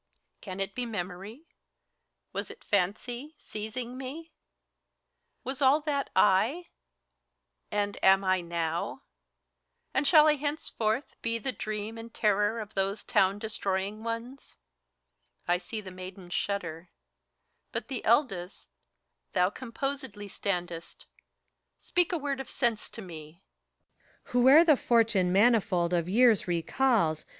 Can it be memory? Was it fancy, seizing met Was all that, It and am I, nowt and shall I hence forth be The dream and terror of those town destroying onest I see the maidens shudder : but, the eldest, thou Composedly standest — speak a word of sense to me! PHORKYAS. Whoe'er the fortune manifold of years recalls.